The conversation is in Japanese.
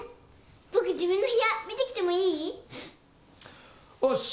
僕自分の部屋見てきてもいい？おっし。